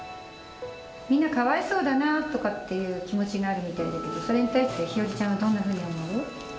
みんな「かわいそうだな」とかっていう気持ちがあるみたいだけどそれに対して日和ちゃんはどんなふうに思う？